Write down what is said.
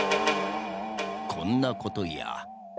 こんなことや。